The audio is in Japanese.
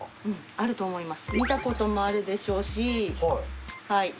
あると思います。